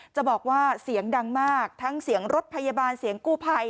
จะบอกว่าเสียงดังมากทั้งเสียงรถพยาบาลเสียงกู้ภัย